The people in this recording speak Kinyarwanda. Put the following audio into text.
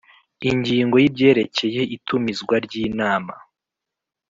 Ingingo y Ibyerekeye itumizwa ry inama